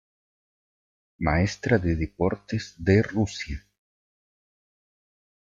Maestra de Deportes de Rusia.